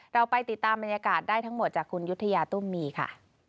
เราไปติดตามบรรยากาศได้ทั้งหมดจากคุณยุธยาตุ้มมีค่ะ